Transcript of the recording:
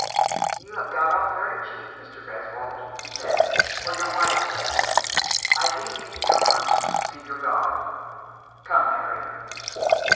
" You have got off very cheap, Mr. Greswold," he said, "for your wife's sake. I leave you to your conscience, and your God. Come, Mary."